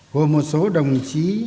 gồm một số đồng chí